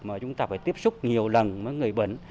mà chúng ta phải tiếp xúc nhiều lần với người bệnh